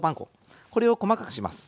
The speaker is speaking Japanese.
これを細かくします。